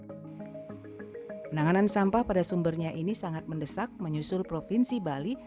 penanganan sampah pada sumbernya ini sangat mendesak menyusul provinsi bali